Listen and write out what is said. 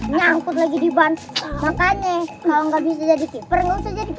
nyangkut lagi di ban makanya kalau nggak bisa jadi kipur kipur